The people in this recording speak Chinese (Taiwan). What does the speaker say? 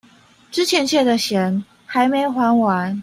之前欠的錢還沒還完